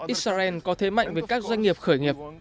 israel có thế mạnh với các doanh nghiệp khởi nghiệp